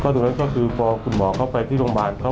ตรงนั้นก็คือพอคุณหมอเข้าไปที่โรงพยาบาลเขา